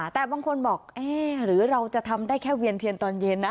แต่บางคนบอกเอ๊ะหรือเราจะทำได้แค่เวียนเทียนตอนเย็นนะ